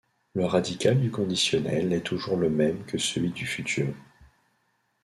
Le radical du conditionnel est toujours le même que celui du futur.